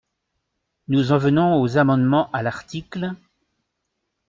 Nous en venons aux amendements à l’article.